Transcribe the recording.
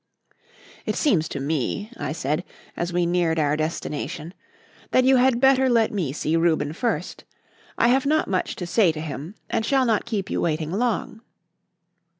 "It seems to me," I said, as we neared our destination, "that you had better let me see Reuben first; I have not much to say to him and shall not keep you waiting long."